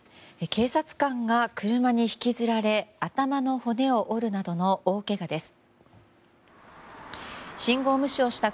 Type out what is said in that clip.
警察官が車に引きずられ頭の骨を折るなどの大けがです。